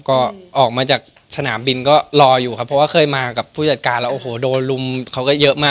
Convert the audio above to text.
ก็ออกมาจากสนามบินก็รออยู่ครับเพราะว่าเคยมากับผู้จัดการแล้วโอ้โหโดนลุมเขาก็เยอะมาก